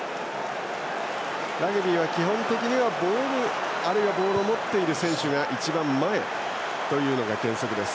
ラグビーは基本的にボールあるいはボールを持っている選手が一番前というのが原則です。